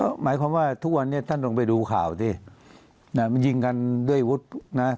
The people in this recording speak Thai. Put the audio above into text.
ก็หมายความว่าทุกวันนี้ท่านลงไปดูข่าวสิมันยิงกันด้วยวุฒินะ